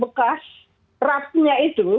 tinggalkan bekas bekas rapnya itu